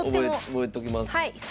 覚えときます。